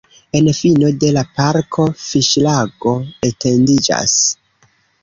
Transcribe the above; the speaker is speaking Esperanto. En fino de la parko fiŝlago etendiĝas.